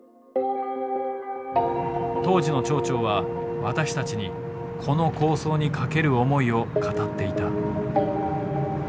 当時の町長は私たちにこの構想にかける思いを語っていた。